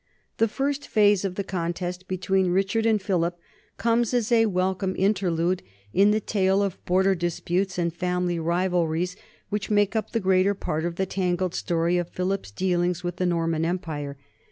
The first phase of the contest between Richard and Philip comes as a welcome interlude in the tale of border disputes and family rivalries which make up the greater part of the tangled story of Philip's dealings with the Norman empire.